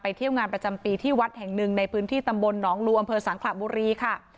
เที่ยวงานประจำปีที่วัดแห่งหนึ่งในพื้นที่ตำบลหนองลูอำเภอสังขระบุรีค่ะ